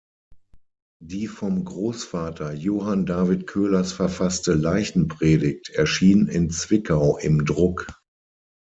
Die vom Großvater Johann David Köhlers verfasste Leichenpredigt erschien in Zwickau im Druck.